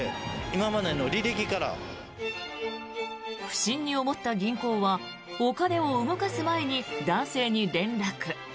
不審に思った銀行はお金を動かす前に男性に連絡。